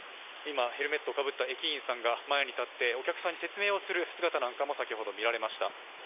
今、ヘルメットをかぶった駅員さんが前に立って、お客さんに説明をする姿なども先ほど見られました。